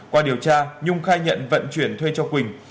qua điều tra nhung khai nhận vận chuyển thuê cho quỳnh